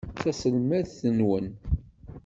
D taselmadt-nwent?